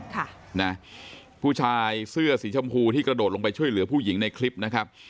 ค่ะนะผู้ชายเสื้อสีชมพูที่กระโดดลงไปช่วยเหลือผู้หญิงในคลิปนะครับ